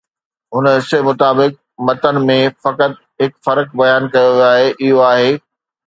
هن حصي مطابق متن ۾ فقط هڪ فرق بيان ڪيو ويو آهي ۽ اهو آهي